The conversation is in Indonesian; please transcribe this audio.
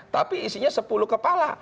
tapi isinya sepuluh kepala